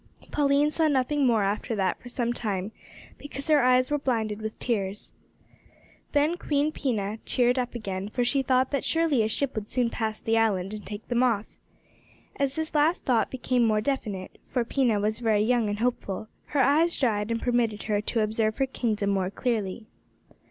Pauline saw nothing more after that for some time, because her eyes were blinded with tears. Then Queen Pina cheered up again, for she thought that surely a ship would soon pass the island and take them off. As this last thought became more definite (for Pina was very young and hopeful) her eyes dried and permitted her to observe her kingdom more clearly.